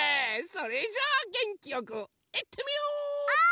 それじゃあげんきよくいってみよう！